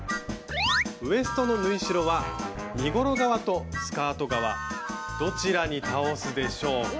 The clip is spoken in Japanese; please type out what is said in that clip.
ウエストの縫い代は身ごろ側とスカート側どちらに倒すでしょうか？